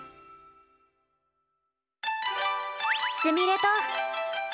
すみれと。